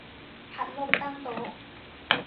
พัดลมตั้งโต๊ะ